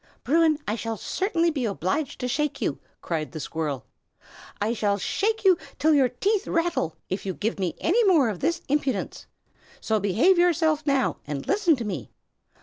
"Bruin, I shall certainly be obliged to shake you!" cried the squirrel. "I shall shake you till your teeth rattle, if you give me any more of this impudence. So behave yourself now, and listen to me.